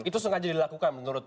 itu sengaja dilakukan menurut